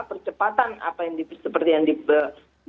percepatan apa yang seperti yang di